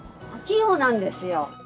器用なんですよ。